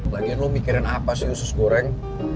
bagian lo mikirin apa sih usus goreng